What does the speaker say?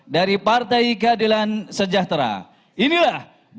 dari partai keadilan sejahtera